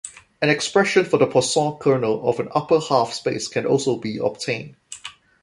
An expression for the Poisson kernel of an upper half-space can also be obtained.